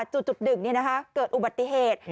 จุดหนึ่งเกิดอุบัติเหตุ